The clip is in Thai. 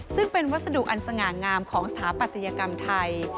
ซึ่งเป็นวัสดุอันสง่างามของสถาปัตยกรรมไทย